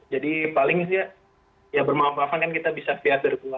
jadi paling sih ya ya bermanfaat kan kita bisa pihak virtual juga